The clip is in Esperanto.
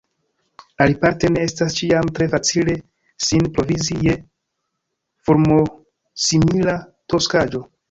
Aliparte ne estas ĉiam tre facile sin provizi je fulmosimila toksaĵo.